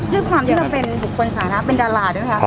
เป็นดาราด้วยไหมคะ